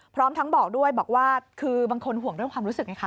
พร้อมทั้งบอกด้วยบอกว่าคือบางคนห่วงเรื่องความรู้สึกไงคะ